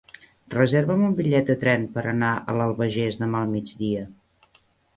Reserva'm un bitllet de tren per anar a l'Albagés demà al migdia.